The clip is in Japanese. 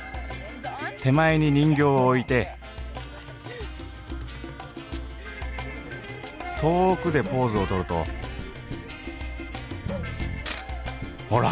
手前に人形を置いて遠くでポーズをとるとほら！